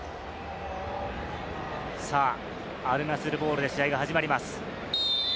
アルナスルボールで試合が始まります。